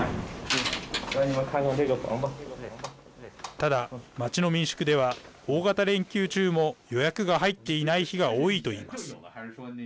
ただ街の民宿では大型連休中も予約が入っていない日が多いと言います。